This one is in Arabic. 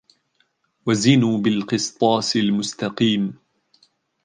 وزنوا بالقسطاس المستقيم